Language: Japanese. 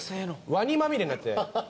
ワニまみれになって。